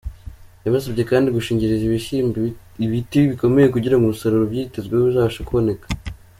Yabasabye kandi gushingiriza ibishyimbo ibiti bikomeye kugira ngo umusaruro ubyitezweho uzabashe kuboneka.